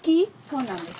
そうなんです。